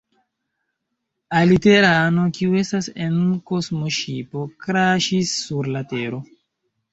Aliterano, kiu estas en kosmoŝipo, kraŝis sur la Tero